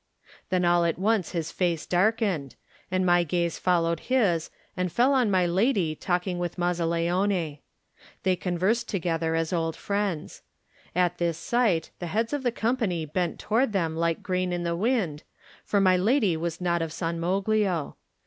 Then all at once his face darkened, and my gaze followed his and fell on my lady talking with Mazzaleone. They conversed together as old friends. At this sight the heads of the company bent toward them like 22 Digitized by Google THE NINTH MAN grain in the wind, for my lady was not of San Moglio.